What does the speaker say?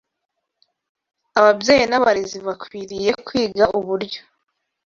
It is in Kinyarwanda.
Ababyeyi n’abarezi bakwiriye kwiga uburyo